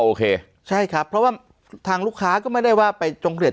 โอเคใช่ครับเพราะว่าทางลูกค้าก็ไม่ได้ว่าไปจงเกลียด